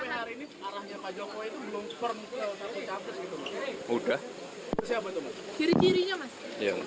arahnya pak jokowi itu belum confirm ke satu capres gitu